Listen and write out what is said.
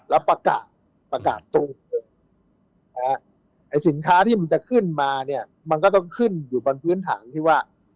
แล้วประกาศประกาศตรงไอ้สินค้าที่มันจะขึ้นมาเนี่ยมันก็ต้องขึ้นอยู่บนพื้นถังที่ว่า